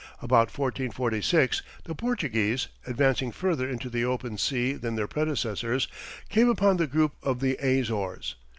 About 1446, the Portuguese, advancing further into the open sea than their predecessors, came upon the group of the Azores.